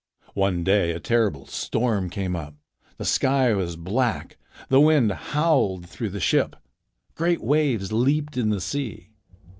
One day a terrible storm came up; the sky was black; the wind howled through the ship. Great waves leaped in the sea.